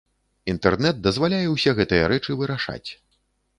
Інтэрнэт дазваляе ўсе гэтыя рэчы вырашаць.